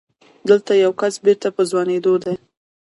دلته يو کس بېرته په ځوانېدو دی.